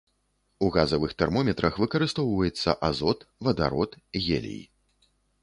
У газавых тэрмометрах выкарыстоўваецца азот, вадарод, гелій.